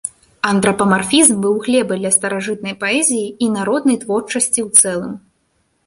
Антрапамарфізм быў глебай для старажытнай паэзіі і народнай творчасці ў цэлым.